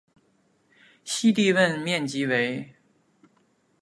西帝汶面积为。